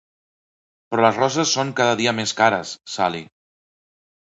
Però les roses són cada dia més cares, Sally.